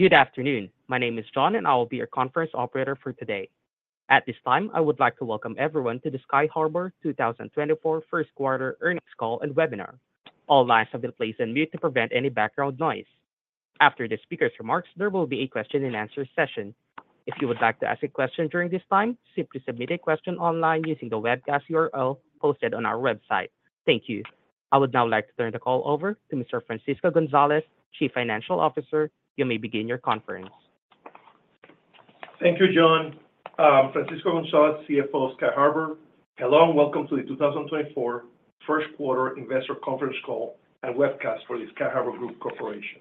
Good afternoon. My name is John, and I will be your conference operator for today. At this time, I would like to welcome everyone to the Sky Harbour 2024 first quarter earnings call and webinar. All lines have been placed on mute to prevent any background noise. After the speaker's remarks, there will be a question-and-answer session. If you would like to ask a question during this time, simply submit a question online using the webcast URL posted on our website. Thank you. I would now like to turn the call over to Mr. Francisco Gonzalez, Chief Financial Officer. You may begin your conference. Thank you, John. Francisco Gonzalez, CFO of Sky Harbour. Hello and welcome to the 2024 first quarter investor conference call and webcast for the Sky Harbour Group Corporation.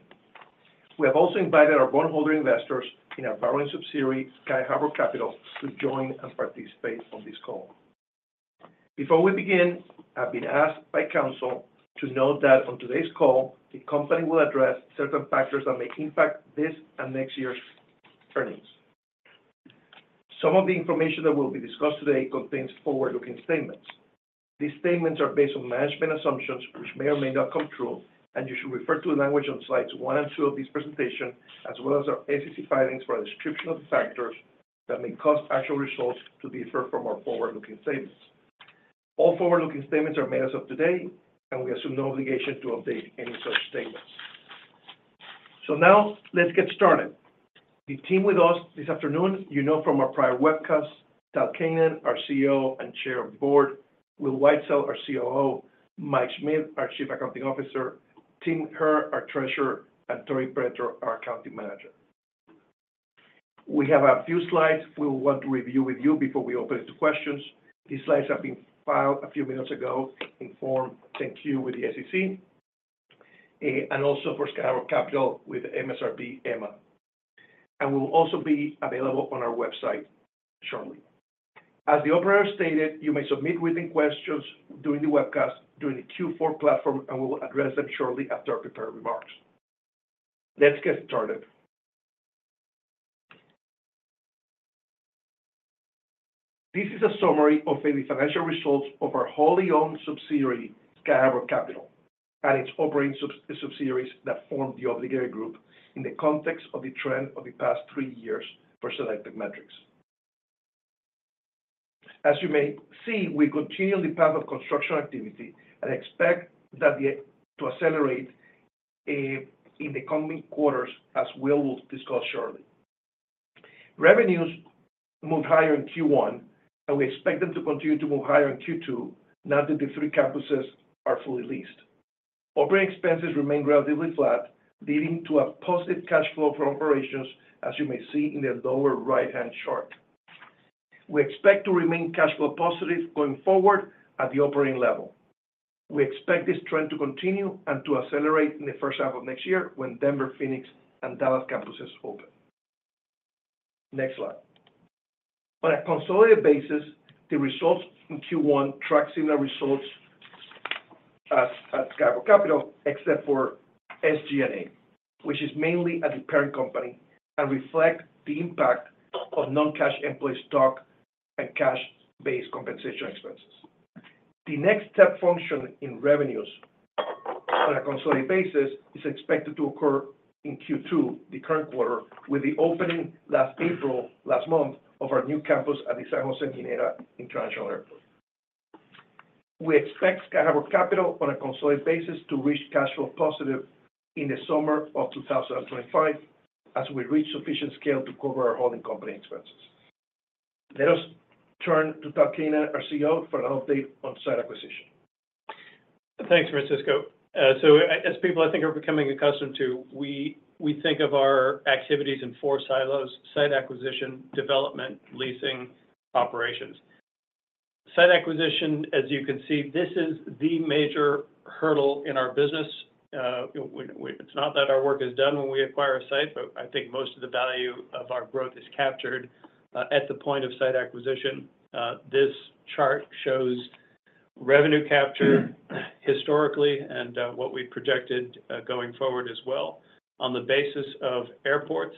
We have also invited our bondholder investors in our borrowing subsidiary, Sky Harbour Capital, to join and participate on this call. Before we begin, I've been asked by counsel to note that on today's call, the company will address certain factors that may impact this and next year's earnings. Some of the information that will be discussed today contains forward-looking statements. These statements are based on management assumptions, which may or may not come true, and you should refer to the language on slides 1 and 2 of this presentation, as well as our SEC filings for a description of the factors that may cause actual results to differ from our forward-looking statements. All forward-looking statements are made as of today, and we assume no obligation to update any such statements. So now, let's get started. The team with us this afternoon, you know from our prior webcasts, Tal Keinan, our CEO and Chairman of the Board; Will Whitesell, our COO; Mike Schmitt, our Chief Accounting Officer; Tim Herr, our Treasurer; and Tori Petro, our Accounting Manager. We have a few slides we will want to review with you before we open it to questions. These slides have been filed a few minutes ago in Form 10-Q with the SEC, and also for Sky Harbour Capital with MSRB EMMA. We will also be available on our website shortly. As the operator stated, you may submit written questions during the webcast, during the Q&A platform, and we will address them shortly after our prepared remarks. Let's get started. This is a summary of the financial results of our wholly owned subsidiary, Sky Harbour Capital, and its operating subsidiaries that form the Obligated Group in the context of the trend of the past three years for selected metrics. As you may see, we continue on the path of construction activity and expect that to accelerate in the coming quarters, as Will will discuss shortly. Revenues moved higher in Q1, and we expect them to continue to move higher in Q2 now that the three campuses are fully leased. Operating expenses remain relatively flat, leading to a positive cash flow from operations, as you may see in the lower right-hand chart. We expect to remain cash flow positive going forward at the operating level. We expect this trend to continue and to accelerate in the first half of next year when Denver, Phoenix, and Dallas campuses open. Next slide. On a consolidated basis, the results in Q1 track similar results as Sky Harbour Capital, except for SG&A, which is mainly a parent company and reflects the impact of non-cash employee stock and cash-based compensation expenses. The next step function in revenues on a consolidated basis is expected to occur in Q2, the current quarter, with the opening last April, last month, of our new campus at the San José Mineta International Airport. We expect Sky Harbour Capital, on a consolidated basis, to reach cash flow positive in the summer of 2025 as we reach sufficient scale to cover our holding company expenses. Let us turn to Tal Keinan, our CEO, for an update on site acquisition. Thanks, Francisco. So, as people I think are becoming accustomed to, we think of our activities in four silos: site acquisition, development, leasing, operations. Site acquisition, as you can see, this is the major hurdle in our business. You know, we it's not that our work is done when we acquire a site, but I think most of the value of our growth is captured at the point of site acquisition. This chart shows revenue capture historically and what we projected going forward as well on the basis of airports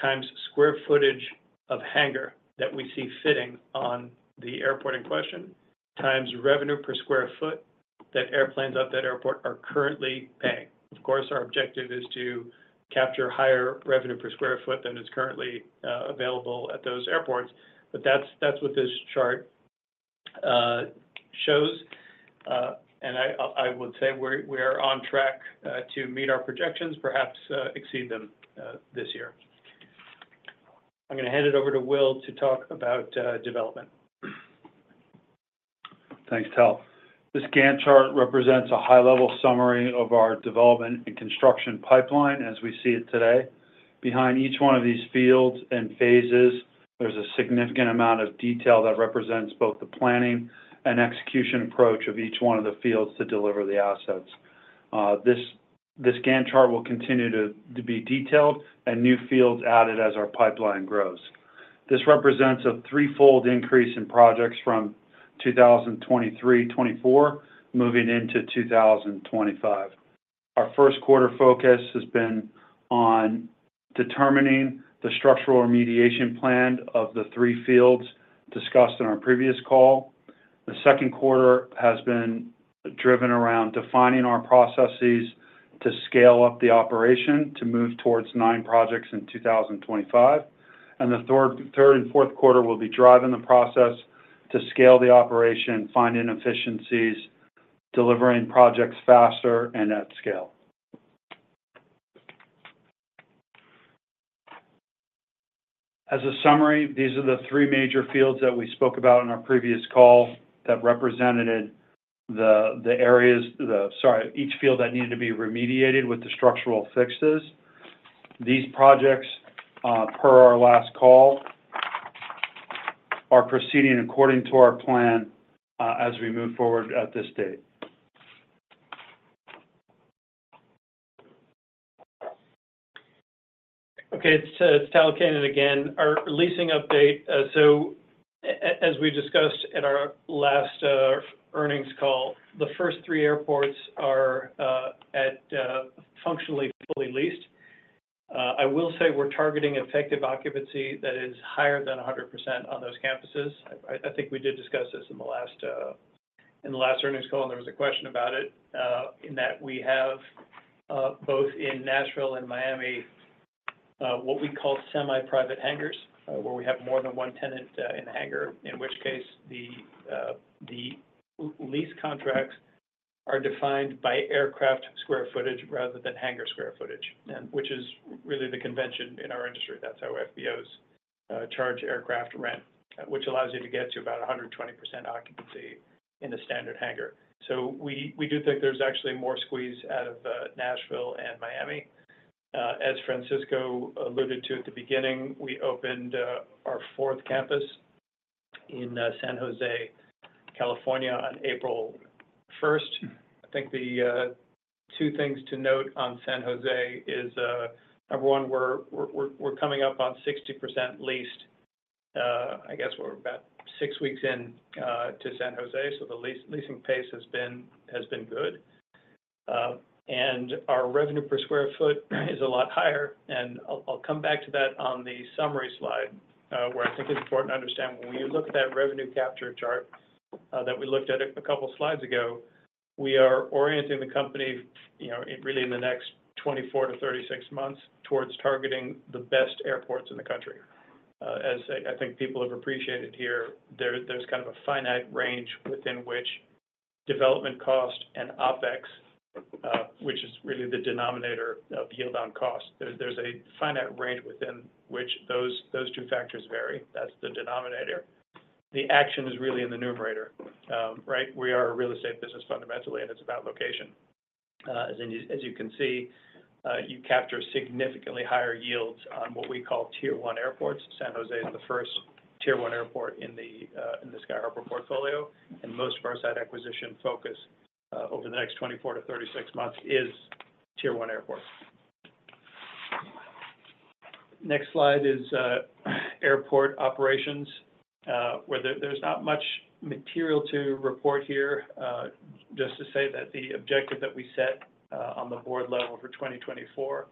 times square footage of hangar that we see fitting on the airport in question times revenue per square foot that airplanes at that airport are currently paying. Of course, our objective is to capture higher revenue per square foot than is currently available at those airports, but that's what this chart shows. I, I would say we, we are on track to meet our projections, perhaps exceed them, this year. I'm gonna hand it over to Will to talk about development. Thanks, Tal. This Gantt chart represents a high-level summary of our development and construction pipeline as we see it today. Behind each one of these fields and phases, there's a significant amount of detail that represents both the planning and execution approach of each one of the fields to deliver the assets. This Gantt chart will continue to be detailed and new fields added as our pipeline grows. This represents a threefold increase in projects from 2023/24 moving into 2025. Our first quarter focus has been on determining the structural remediation plan of the three fields discussed in our previous call. The second quarter has been driven around defining our processes to scale up the operation to move towards nine projects in 2025. The third and fourth quarter will be driving the process to scale the operation, find inefficiencies, delivering projects faster, and at scale. As a summary, these are the three major fields that we spoke about in our previous call that represented the areas, each field that needed to be remediated with the structural fixes. These projects, per our last call, are proceeding according to our plan, as we move forward at this date. Okay. It's Tal Keinan again. Our leasing update, so as we discussed at our last earnings call, the first three airports are functionally fully leased. I will say we're targeting effective occupancy that is higher than 100% on those campuses. I think we did discuss this in the last earnings call, and there was a question about it, in that we have both in Nashville and Miami what we call semi-private hangars, where we have more than one tenant in the hangar, in which case the lease contracts are defined by aircraft square footage rather than hangar square footage, and which is really the convention in our industry. That's how FBOs charge aircraft rent, which allows you to get to about 120% occupancy in a standard hangar. So we do think there's actually more squeeze out of Nashville and Miami. As Francisco alluded to at the beginning, we opened our fourth campus in San José, California, on April 1st. I think the two things to note on San José is, number one, we're coming up on 60% leased. I guess we're about six weeks in to San José, so the leasing pace has been good. And our revenue per square foot is a lot higher, and I'll come back to that on the summary slide, where I think it's important to understand when we look at that revenue capture chart that we looked at a couple of slides ago, we are orienting the company, you know, really in the next 24-36 months towards targeting the best airports in the country. As I think people have appreciated here, there's kind of a finite range within which development cost and OpEx, which is really the denominator of yield on cost, there's a finite range within which those two factors vary. That's the denominator. The action is really in the numerator, right? We are a real estate business fundamentally, and it's about location. As in, as you can see, you capture significantly higher yields on what we call Tier 1 airports. San José is the first Tier 1 airport in the Sky Harbour portfolio, and most of our site acquisition focus, over the next 24-36 months is Tier 1 airports. Next slide is airport operations, where there's not much material to report here, just to say that the objective that we set on the board level for 2024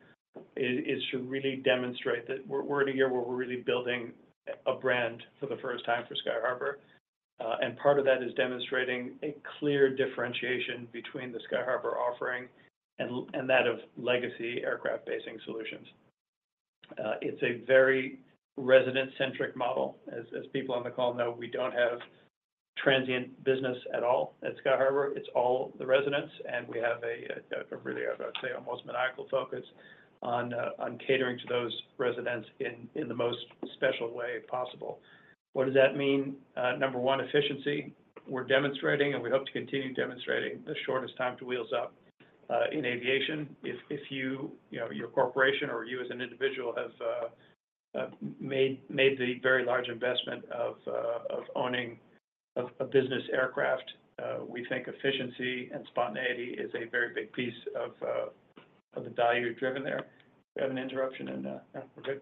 is to really demonstrate that we're in a year where we're really building a brand for the first time for Sky Harbour. And part of that is demonstrating a clear differentiation between the Sky Harbour offering and that of legacy aircraft-basing solutions. It's a very resident-centric model. As people on the call know, we don't have transient business at all at Sky Harbour. It's all the residents, and we have a really, I would say, almost maniacal focus on catering to those residents in the most special way possible. What does that mean? Number one, efficiency. We're demonstrating, and we hope to continue demonstrating, the shortest time to wheels up in aviation. If you know your corporation or you as an individual have made the very large investment of owning a business aircraft, we think efficiency and spontaneity is a very big piece of the value driven there. We have an interruption, and yeah, we're good.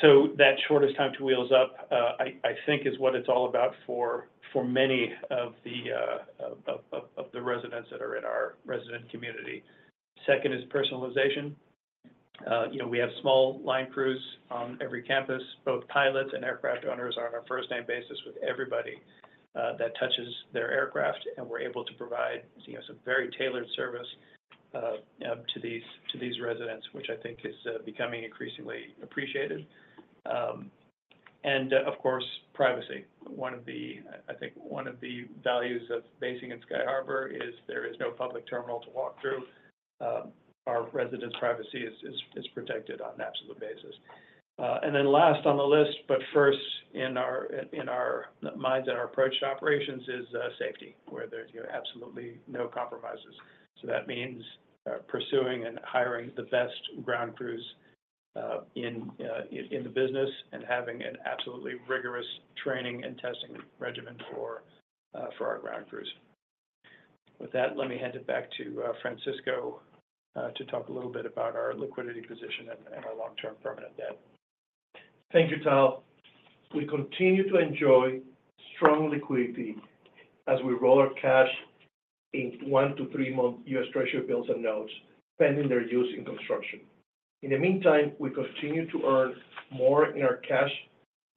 So that shortest time to wheels up, I think is what it's all about for many of the residents that are in our resident community. Second is personalization. You know, we have small line crews on every campus. Both pilots and aircraft owners are on a first-name basis with everybody that touches their aircraft, and we're able to provide you know some very tailored service to these residents, which I think is becoming increasingly appreciated. And, of course, privacy. I think one of the values of basing in Sky Harbour is there is no public terminal to walk through. Our residents' privacy is protected on an absolute basis. And then last on the list, but first in our minds and our approach to operations is safety, where there's, you know, absolutely no compromises. So that means pursuing and hiring the best ground crews in the business and having an absolutely rigorous training and testing regimen for our ground crews. With that, let me hand it back to Francisco to talk a little bit about our liquidity position and our long-term permanent debt. Thank you, Tal. We continue to enjoy strong liquidity as we roll our cash in 1- to 3-month US Treasury bills and notes pending their use in construction. In the meantime, we continue to earn more in our cash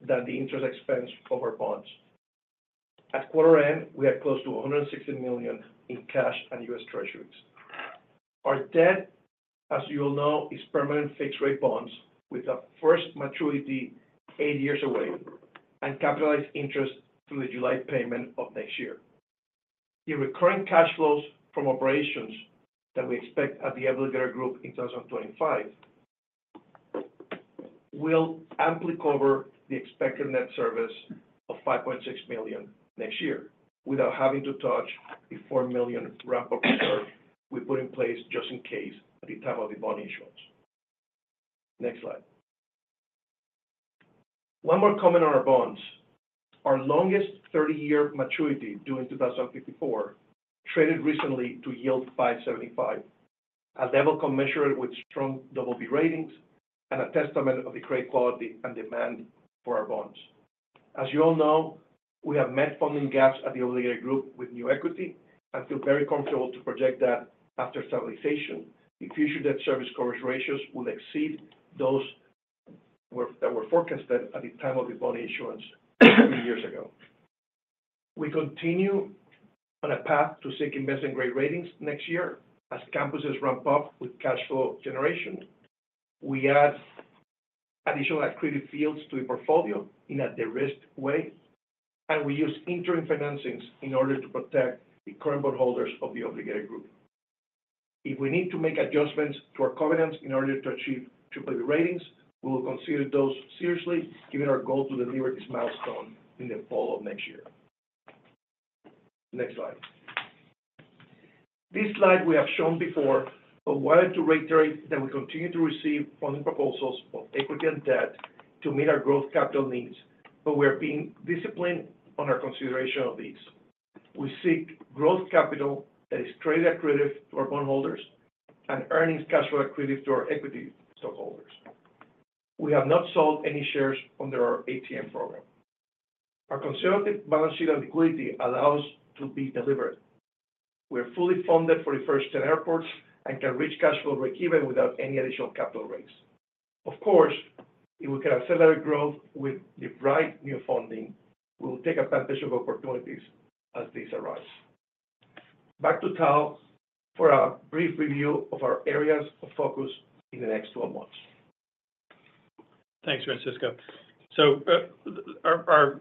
than the interest expense of our bonds. At quarter end, we had close to $160 million in cash and US Treasuries. Our debt, as you all know, is permanent fixed-rate bonds with a first maturity 8 years away and capitalized interest through the July payment of next year. The recurring cash flows from operations that we expect at the Obligated Group in 2025 will amply cover the expected net service of $5.6 million next year without having to touch the $4 million ramp-up reserve we put in place just in case at the time of the bond issuance. Next slide. One more comment on our bonds. Our longest 30-year maturity due in 2054 traded recently to yield 5.75, a level commensurate with strong double B ratings and a testament of the great quality and demand for our bonds. As you all know, we have met funding gaps at the Obligated Group with new equity and feel very comfortable to project that after stabilization, the future debt service coverage ratios will exceed those that were forecasted at the time of the bond issuance many years ago. We continue on a path to seek investment-grade ratings next year as campuses ramp up with cash flow generation. We add additional airfields to the portfolio in a de-risked way, and we use interim financings in order to protect the current bondholders of the Obligated Group. If we need to make adjustments to our covenants in order to achieve triple B ratings, we will consider those seriously, given our goal to deliver this milestone in the fall of next year. Next slide. This slide we have shown before, but wanted to reiterate that we continue to receive funding proposals of equity and debt to meet our growth capital needs, but we are being disciplined on our consideration of these. We seek growth capital that is traded accredited to our bondholders and earnings cash flow accredited to our equity stockholders. We have not sold any shares under our ATM program. Our conservative balance sheet on liquidity allows to be delivered. We are fully funded for the first 10 airports and can reach cash flow break-even without any additional capital raise. Of course, if we can accelerate growth with the right new funding, we will take advantage of opportunities as these arise. Back to Tal for a brief review of our areas of focus in the next 12 months. Thanks, Francisco. So, our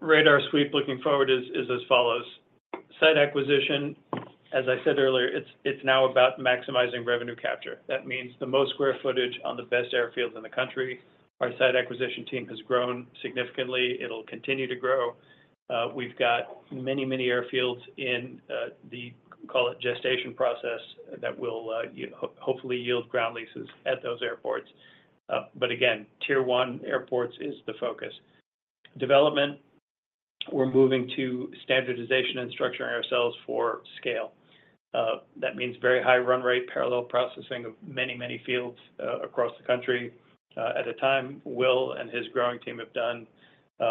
radar sweep looking forward is as follows. Site acquisition, as I said earlier, it's now about maximizing revenue capture. That means the most square footage on the best airfields in the country. Our site acquisition team has grown significantly. It'll continue to grow. We've got many, many airfields in the call it gestation process that will hopefully yield ground leases at those airports. But again, Tier 1 airports is the focus. Development, we're moving to standardization and structuring ourselves for scale. That means very high run rate, parallel processing of many, many fields across the country. At a time, Will and his growing team have done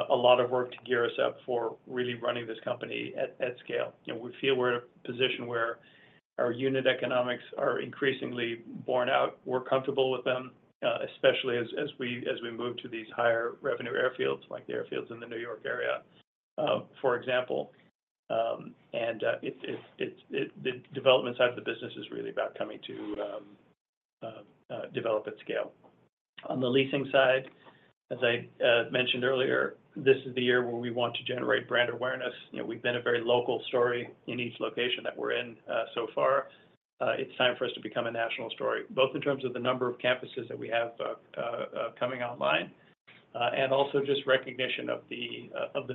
a lot of work to gear us up for really running this company at scale. You know, we feel we're in a position where our unit economics are increasingly borne out. We're comfortable with them, especially as we move to these higher revenue airfields like the airfields in the New York area, for example. It's the development side of the business is really about coming to develop at scale. On the leasing side, as I mentioned earlier, this is the year where we want to generate brand awareness. You know, we've been a very local story in each location that we're in, so far. It's time for us to become a national story, both in terms of the number of campuses that we have coming online, and also just recognition of the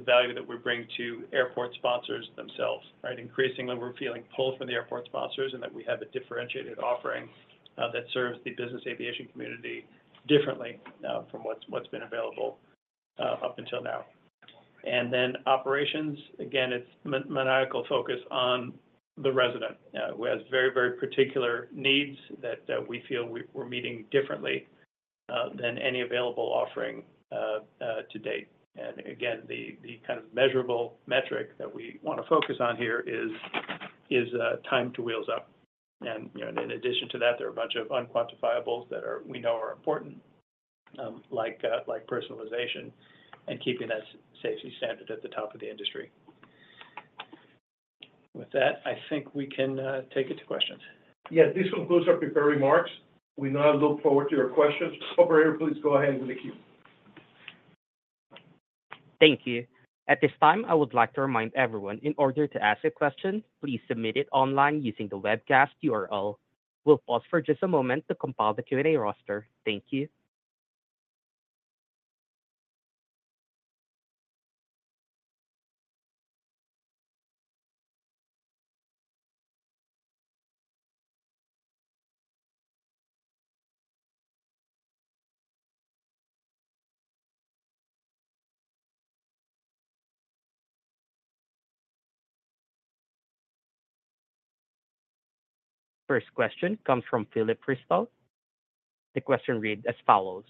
value that we bring to airport sponsors themselves, right? Increasingly, we're feeling pulled from the airport sponsors and that we have a differentiated offering that serves the business aviation community differently from what's been available up until now. Then operations, again, it's maniacal focus on the resident, who has very, very particular needs that we feel we're meeting differently than any available offering to date. And again, the kind of measurable metric that we want to focus on here is time to wheels up. And you know, in addition to that, there are a bunch of unquantifiables that we know are important, like personalization and keeping that safety standard at the top of the industry. With that, I think we can take it to questions. Yes, this concludes our prepared remarks. We now look forward to your questions. Operator, please go ahead with the cue. Thank you. At this time, I would like to remind everyone, in order to ask a question, please submit it online using the webcast URL. We'll pause for just a moment to compile the Q&A roster. Thank you. First question comes from Philip Bristow. The question reads as follows.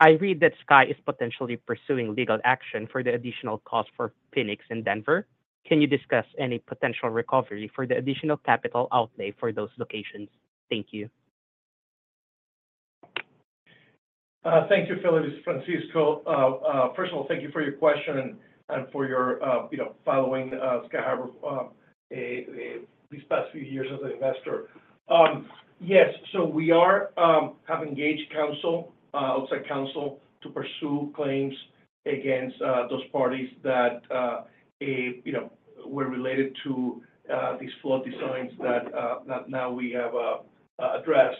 I read that Sky is potentially pursuing legal action for the additional cost for Phoenix and Denver. Can you discuss any potential recovery for the additional capital outlay for those locations? Thank you. Thank you, Philip. It's Francisco. First of all, thank you for your question and for your, you know, following Sky Harbour these past few years as an investor. Yes, so we have engaged counsel, outside counsel, to pursue claims against those parties that, you know, were related to these flood designs that now we have addressed.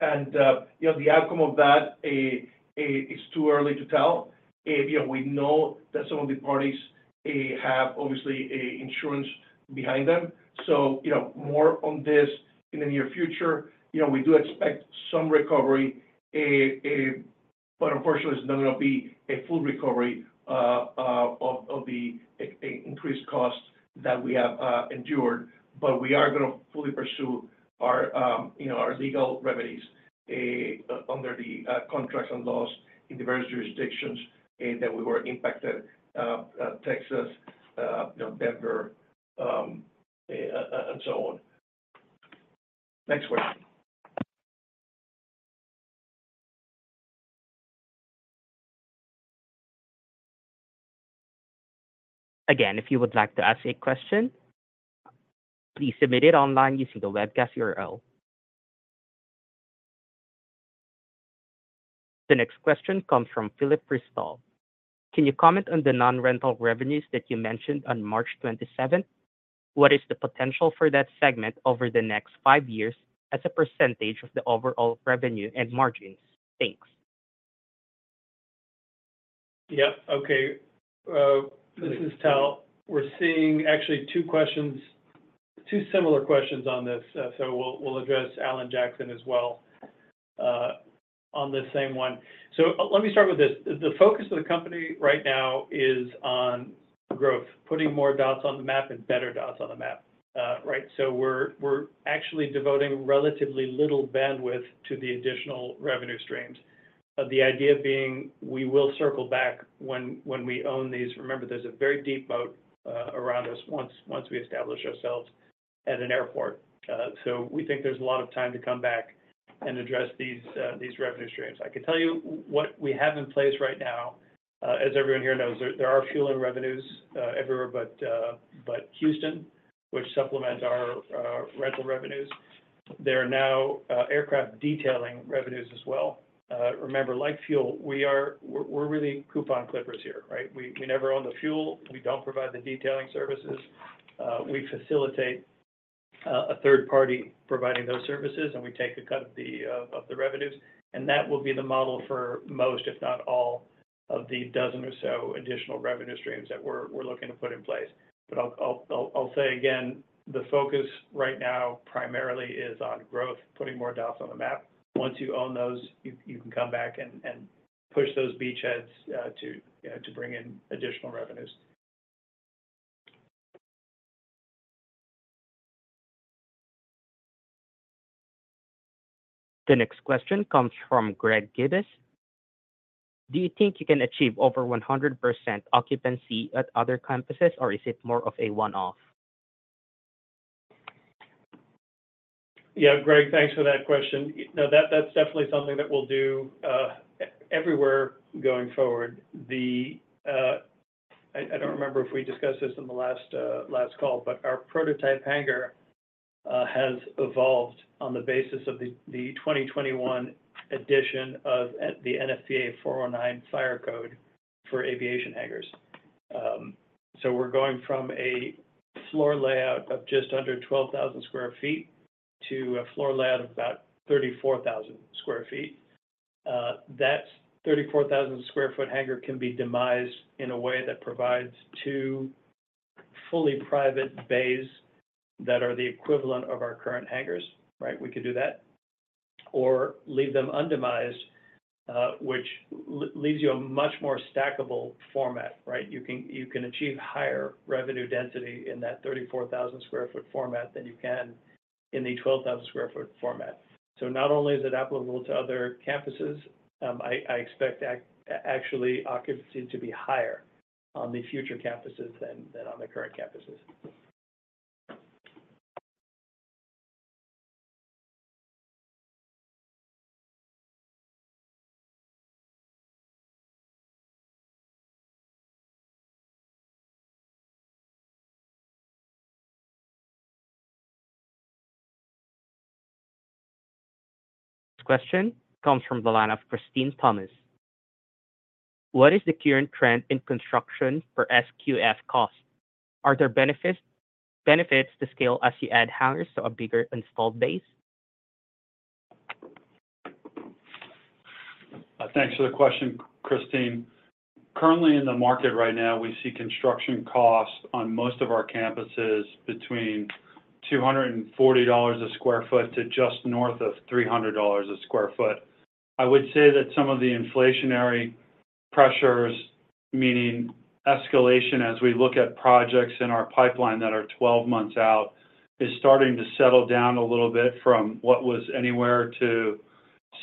And, you know, the outcome of that, it's too early to tell. You know, we know that some of the parties have obviously insurance behind them. So, you know, more on this in the near future. You know, we do expect some recovery, but unfortunately, it's not going to be a full recovery of the increased costs that we have endured. But we are going to fully pursue our, you know, our legal remedies, under the contracts and laws in diverse jurisdictions that we were impacted, Texas, you know, Denver, and so on. Next question. Again, if you would like to ask a question, please submit it online using the webcast URL. The next question comes from Philip Bristow. Can you comment on the non-rental revenues that you mentioned on March 27th? What is the potential for that segment over the next five years as a percentage of the overall revenue and margins? Thanks. Yep. Okay. This is Tal. We're seeing actually two questions, two similar questions on this, so we'll, we'll address Alan Jackson as well, on this same one. So let me start with this. The focus of the company right now is on growth, putting more dots on the map and better dots on the map, right? So we're, we're actually devoting relatively little bandwidth to the additional revenue streams. The idea being we will circle back when, when we own these. Remember, there's a very deep moat around us once, once we establish ourselves at an airport. So we think there's a lot of time to come back and address these, these revenue streams. I can tell you what we have in place right now, as everyone here knows, there, there are fueling revenues everywhere but, but Houston, which supplement our rental revenues. There are now aircraft detailing revenues as well. Remember, like fuel, we're really coupon clippers here, right? We never own the fuel. We don't provide the detailing services. We facilitate a third party providing those services, and we take a cut of the revenues. And that will be the model for most, if not all, of the dozen or so additional revenue streams that we're looking to put in place. But I'll say again, the focus right now primarily is on growth, putting more dots on the map. Once you own those, you can come back and push those beachheads to, you know, bring in additional revenues. The next question comes from Greg Gibas. Do you think you can achieve over 100% occupancy at other campuses, or is it more of a one-off? Yeah, Greg, thanks for that question. No, that, that's definitely something that we'll do, everywhere going forward. I, I don't remember if we discussed this in the last, last call, but our prototype hangar has evolved on the basis of the 2021 edition of the NFPA 409 fire code for aviation hangars. So we're going from a floor layout of just under 12,000 sq ft to a floor layout of about 34,000 sq ft. That 34,000 sq ft hangar can be demised in a way that provides two fully private bays that are the equivalent of our current hangars, right? We could do that. Or leave them undemised, which leaves you a much more stackable format, right? You can you can achieve higher revenue density in that 34,000 sq ft format than you can in the 12,000 sq ft format. Not only is it applicable to other campuses, I expect actually occupancy to be higher on the future campuses than on the current campuses. Next question comes from the line of Christine Thomas. What is the current trend in construction per sq ft cost? Are there benefits to scale as you add hangars to a bigger installed base? Thanks for the question, Christine. Currently in the market right now, we see construction costs on most of our campuses between $240 sq ft to just north of $300 sq ft. I would say that some of the inflationary pressures, meaning escalation as we look at projects in our pipeline that are 12 months out, is starting to settle down a little bit from what was anywhere to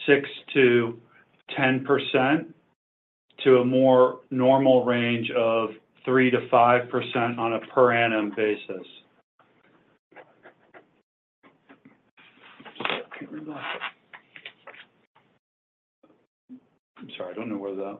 6%-10% to a more normal range of 3%-5% on a per annum basis. I'm sorry. I don't know where that.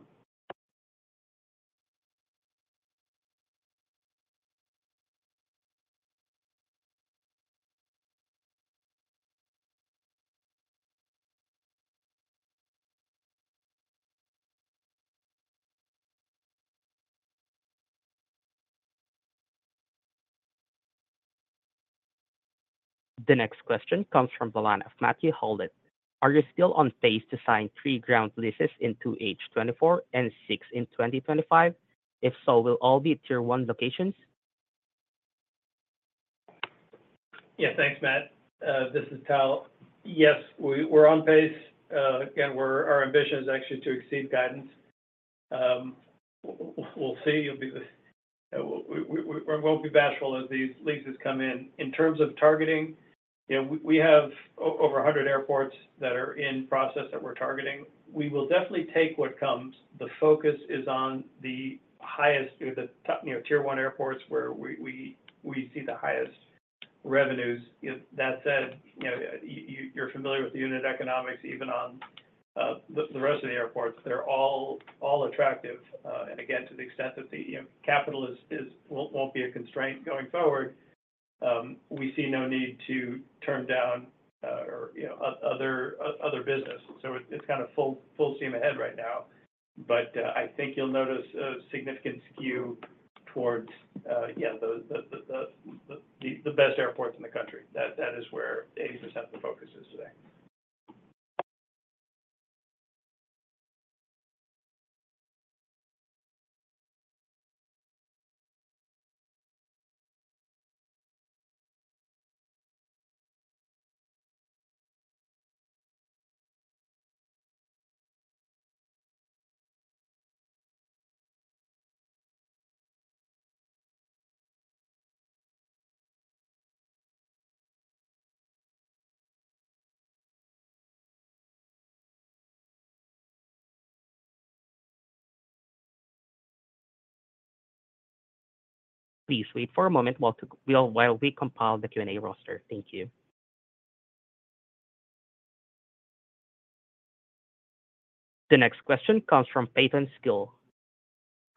The next question comes from the line of Matthew Howlett. Are you still on pace to sign 3 ground leases in 2H24 and 6 in 2025? If so, will all be Tier 1 locations? Yeah, thanks, Matt. This is Tal. Yes, we're on pace. Again, our ambition is actually to exceed guidance. We'll see. We won't be bashful as these leases come in. In terms of targeting, you know, we have over 100 airports that are in process that we're targeting. We will definitely take what comes. The focus is on the highest, you know, the top, you know, Tier 1 airports where we see the highest revenues. You know, that said, you know, you, you're familiar with the unit economics even on the rest of the airports. They're all attractive, and again, to the extent that the, you know, capital won't be a constraint going forward, we see no need to turn down, or, you know, other business. So it's kind of full steam ahead right now. But I think you'll notice a significant skew towards, yeah, the best airports in the country. That is where 80% of the focus is today. Please wait for a moment while we compile the Q&A roster. Thank you. The next question comes from Peyton Skiles.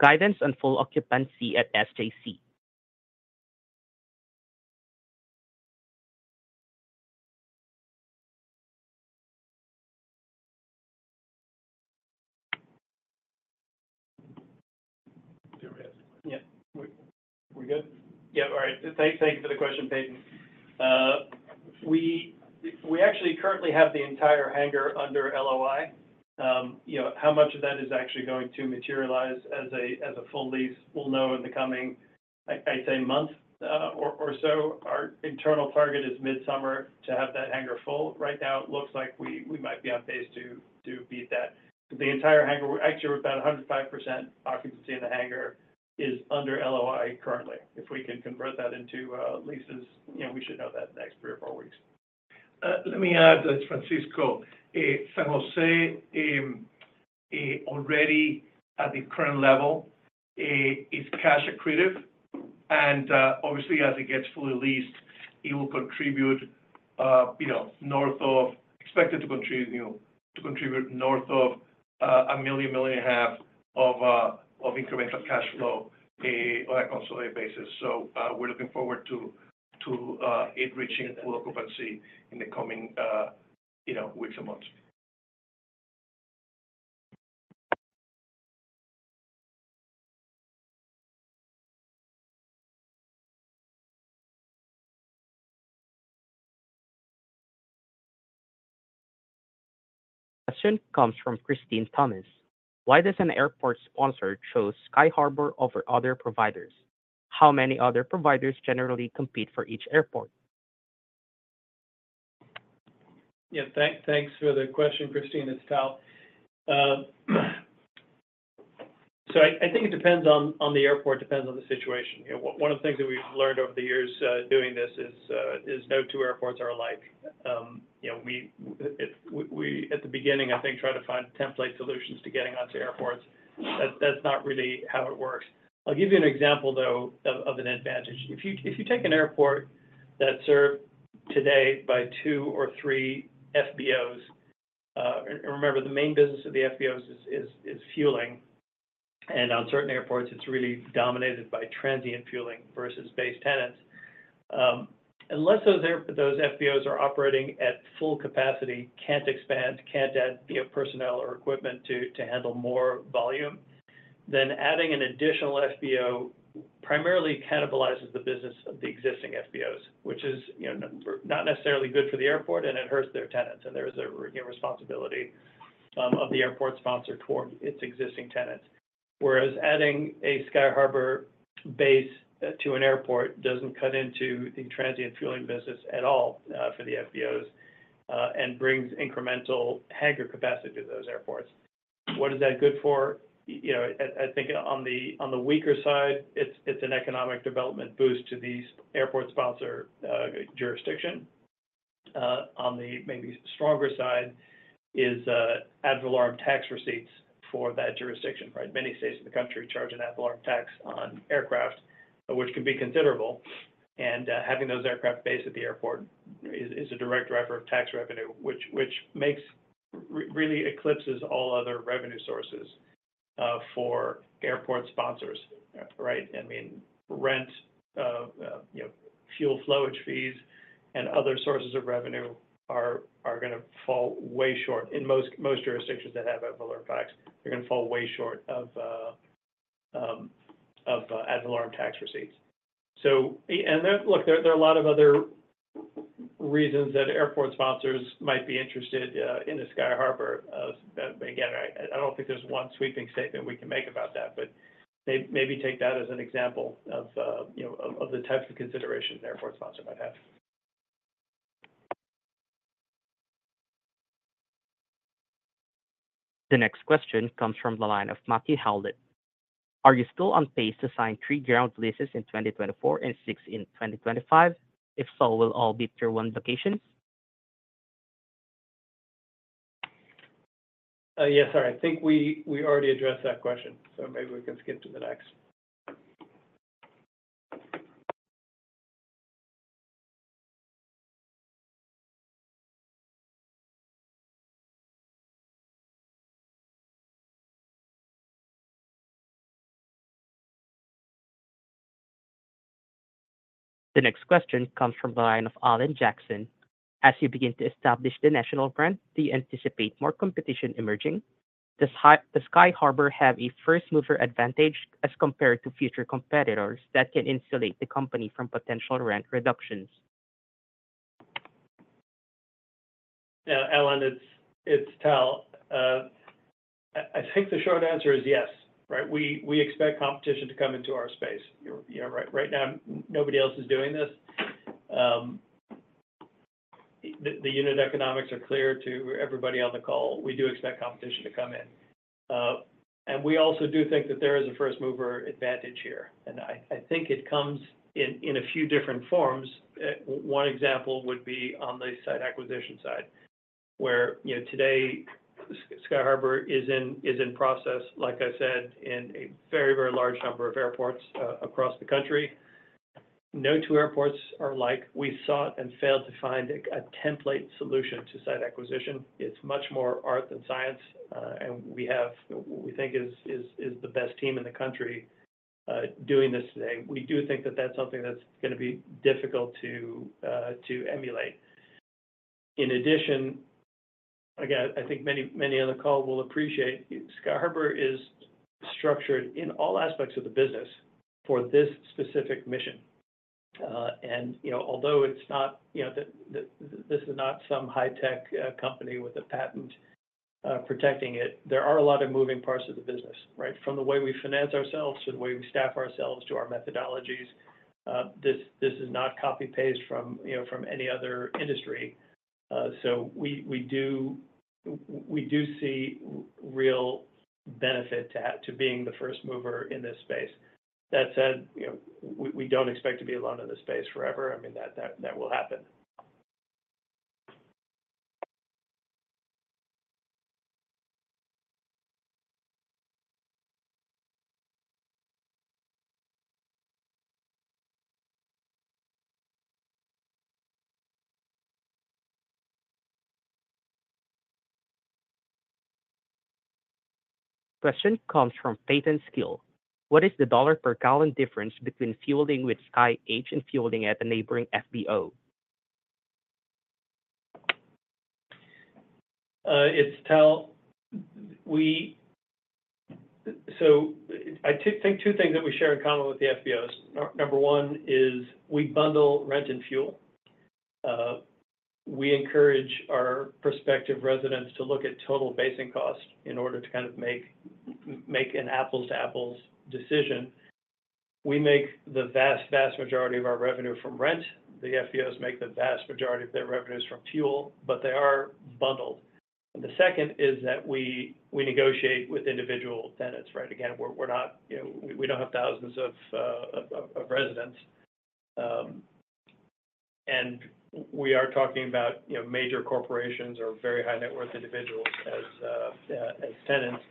Guidance on full occupancy at SJC. Do we have a question? Yeah. We good? Yeah, all right. Thanks, thank you for the question, Peyton. We actually currently have the entire hangar under LOI. You know, how much of that is actually going to materialize as a full lease we'll know in the coming, I'd say, month or so. Our internal target is midsummer to have that hangar full. Right now, it looks like we might be on pace to beat that. The entire hangar, actually, we're about 105% occupancy in the hangar is under LOI currently. If we can convert that into leases, you know, we should know that next 3 or 4 weeks. Let me add, Francisco. San José, already at the current level, is cash accretive. And, obviously, as it gets fully leased, it will contribute, you know, north of $1.5 million of incremental cash flow, on a consolidated basis. So, we're looking forward to it reaching full occupancy in the coming, you know, weeks and months. Question comes from Christine Thomas. Why does an airport sponsor chose Sky Harbour over other providers? How many other providers generally compete for each airport? Yeah, thanks, thanks for the question, Christine. It's Tal. So I, I think it depends on, on the airport. It depends on the situation. You know, one of the things that we've learned over the years, doing this is, is no two airports are alike. You know, we, we, at the beginning, I think, tried to find template solutions to getting onto airports. That's, that's not really how it works. I'll give you an example, though, of, of an advantage. If you if you take an airport that's served today by two or three FBOs, and remember, the main business of the FBOs is, is, is fueling. And on certain airports, it's really dominated by transient fueling versus base tenants. Unless those FBOs are operating at full capacity, can't expand, can't add, you know, personnel or equipment to handle more volume, then adding an additional FBO primarily cannibalizes the business of the existing FBOs, which is, you know, not necessarily good for the airport, and it hurts their tenants. And there is a, you know, responsibility of the airport sponsor toward its existing tenants. Whereas adding a Sky Harbour base to an airport doesn't cut into the transient fueling business at all for the FBOs, and brings incremental hangar capacity to those airports. What is that good for? You know, I think on the weaker side, it's an economic development boost to the airport sponsor jurisdiction. On the maybe stronger side is ad valorem tax receipts for that jurisdiction, right? Many states in the country charge an ad valorem tax on aircraft, which can be considerable. Having those aircraft based at the airport is a direct driver of tax revenue, which makes really eclipses all other revenue sources for airport sponsors, right? I mean, rent, you know, fuel flowage fees and other sources of revenue are going to fall way short in most jurisdictions that have ad valorem tax. They're going to fall way short of ad valorem tax receipts. And look, there are a lot of other reasons that airport sponsors might be interested in a Sky Harbour. Again, I don't think there's one sweeping statement we can make about that, but maybe take that as an example of, you know, of the types of considerations an airport sponsor might have. The next question comes from the line of Matthew Howlett. Are you still on pace to sign 3 ground leases in 2024 and 6 in 2025? If so, will all be Tier 1 locations? Yes, sir. I think we already addressed that question, so maybe we can skip to the next. The next question comes from the line of Alan Jackson. As you begin to establish the national brand, do you anticipate more competition emerging? Does Sky Harbour have a first-mover advantage as compared to future competitors that can insulate the company from potential rent reductions? Yeah, Alan, it's Tal. I think the short answer is yes, right? We expect competition to come into our space. You know, right now, nobody else is doing this. The unit economics are clear to everybody on the call. We do expect competition to come in. And we also do think that there is a first-mover advantage here. And I think it comes in a few different forms. One example would be on the site acquisition side, where, you know, today, Sky Harbour is in process, like I said, in a very, very large number of airports across the country. No two airports are alike. We sought and failed to find a template solution to site acquisition. It's much more art than science. and we have what we think is the best team in the country doing this today. We do think that that's something that's going to be difficult to emulate. In addition, again, I think many, many on the call will appreciate Sky Harbour is structured in all aspects of the business for this specific mission. And, you know, although it's not, you know, that this is not some high-tech company with a patent protecting it, there are a lot of moving parts of the business, right? From the way we finance ourselves to the way we staff ourselves to our methodologies, this is not copy-paste from, you know, from any other industry. So we do see real benefit to being the first mover in this space. That said, you know, we don't expect to be alone in this space forever. I mean, that will happen. Question comes from Peyton Skill. What is the dollar per gallon difference between fueling with Sky H and fueling at a neighboring FBO? It's Tal. We so I think two things that we share in common with the FBOs. Number one is we bundle rent and fuel. We encourage our prospective residents to look at total basing cost in order to kind of make, make an apples-to-apples decision. We make the vast, vast majority of our revenue from rent. The FBOs make the vast majority of their revenues from fuel, but they are bundled. And the second is that we, we negotiate with individual tenants, right? Again, we're, we're not you know, we, we don't have thousands of, of, of residents. And we are talking about, you know, major corporations or very high-net-worth individuals as, as tenants.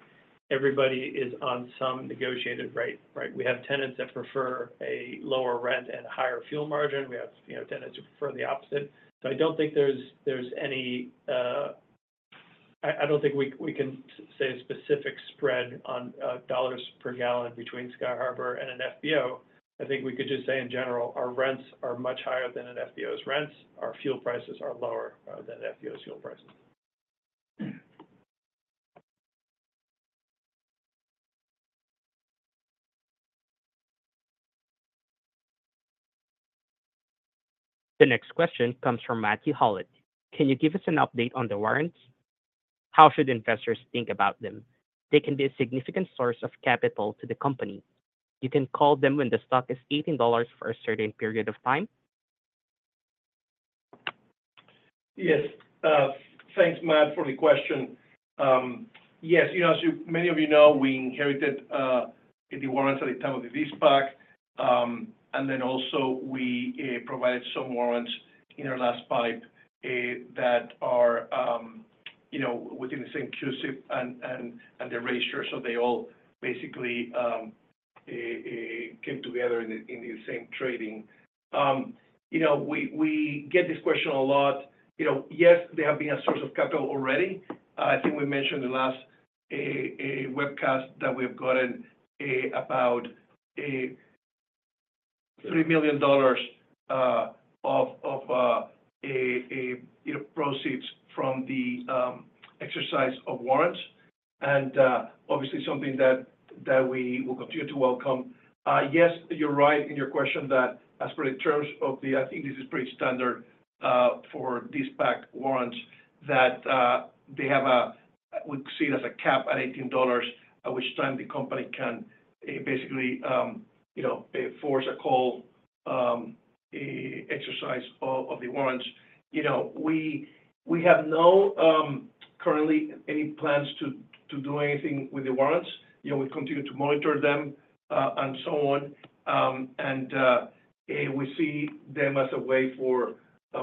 Everybody is on some negotiated rate, right? We have tenants that prefer a lower rent and a higher fuel margin. We have, you know, tenants who prefer the opposite. So I don't think there's any, I don't think we can say a specific spread on dollars per gallon between Sky Harbour and an FBO. I think we could just say, in general, our rents are much higher than an FBO's rents. Our fuel prices are lower than an FBO's fuel prices. The next question comes from Matthew Howlett. Can you give us an update on the warrants? How should investors think about them? They can be a significant source of capital to the company. You can call them when the stock is $18 for a certain period of time. Yes. Thanks, Matt, for the question. Yes, you know, as many of you know, we inherited the warrants at the time of the De-SPAC. And then also, we provided some warrants in our last pipe, that are, you know, within the same CUSIP and the ratio. So they all basically came together in the same trading. You know, we get this question a lot. You know, yes, they have been a source of capital already. I think we mentioned in the last webcast that we have gotten about $3 million of you know proceeds from the exercise of warrants. And, obviously, something that we will continue to welcome. Yes, you're right in your question that, as per the terms of the—I think this is pretty standard—for VISPAC warrants, that they have a—we see it as a cap at $18, at which time the company can, basically, you know, force a call, exercise of, of the warrants. You know, we, we have no, currently, any plans to, to do anything with the warrants. You know, we continue to monitor them, and so on. And we see them as a way for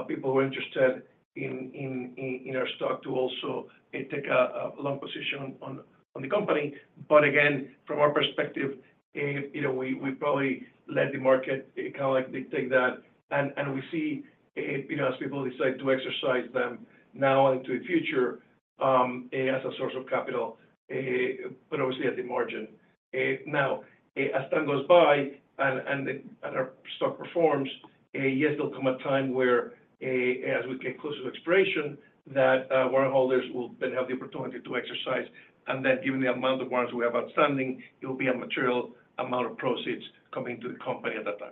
people who are interested in, in, in, in our stock to also take a, a long position on, on, on the company. But again, from our perspective, you know, we, we probably let the market, kind of like they take that. We see, you know, as people decide to exercise them now and into the future, as a source of capital, but obviously at the margin. Now, as time goes by and our stock performs, yes, there'll come a time where, as we get closer to expiration, warrant holders will then have the opportunity to exercise. And then given the amount of warrants we have outstanding, it will be a material amount of proceeds coming to the company at that time.